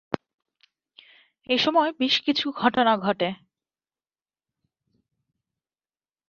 এসময় বেশ কিছু ঘটনা ঘটে।